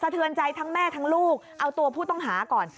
ทางแม่ทางลูกเอาตัวผู้ต้องหาก่อน